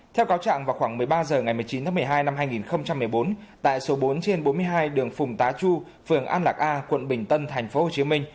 theo cáo trạng vào khoảng một mươi ba h ngày một mươi chín tháng một mươi hai năm hai nghìn một mươi bốn tại số bốn trên bốn mươi hai đường phùng tá chu phường an lạc a quận bình tân tp hcm